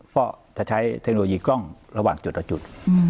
ก็จะใช้เทคโนโลยีกล้องระหว่างจุดละจุด